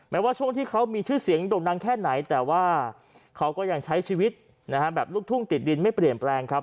ว่าช่วงที่เขามีชื่อเสียงด่งดังแค่ไหนแต่ว่าเขาก็ยังใช้ชีวิตแบบลูกทุ่งติดดินไม่เปลี่ยนแปลงครับ